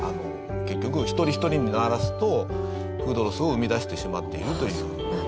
結局一人一人にならすとフードロスを生み出してしまっているという。